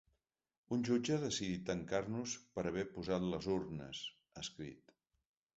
Un jutge ha decidit tancar-nos per haver posat les urnes, ha escrit.